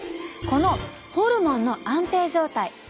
このホルモンの安定状態。